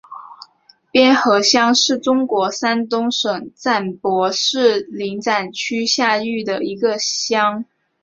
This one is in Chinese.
边河乡是中国山东省淄博市临淄区下辖的一个乡。